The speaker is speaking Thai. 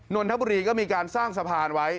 นนทบุรีก็มีการสร้างสะพานไว้